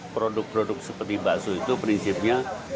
produk produk seperti bakso itu prinsipnya